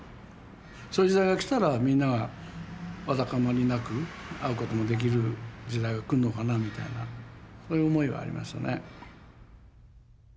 そういう時代がきたらみんながわだかまりなく会うこともできる時代がくるのかなみたいなそういう思いはありましたね。